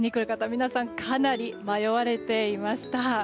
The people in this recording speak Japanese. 皆さん、かなり迷われていました。